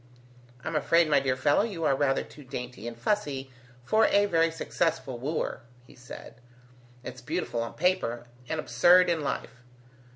"I'm afraid, my dear fellow, you are rather too dainty and fussy for a very successful wooer," he said. "It's beautiful on paper, and absurd in life.